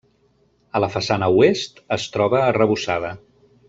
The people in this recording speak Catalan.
A la façana oest, es troba arrebossada.